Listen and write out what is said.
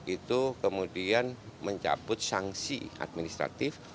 itu kemudian mencabut sanksi administratif